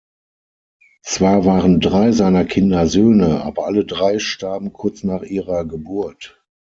Zwar waren drei seiner Kinder Söhne, aber alle drei starben kurz nach ihrer Geburt.